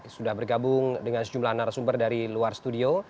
sudah bergabung dengan sejumlah narasumber dari luar studio